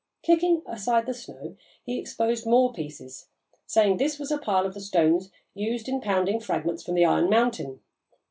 Kicking aside the snow, he exposed more pieces, saying this was a pile of the stones used in pounding fragments from the iron mountain.